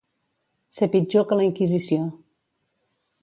Ser pitjor que la Inquisició.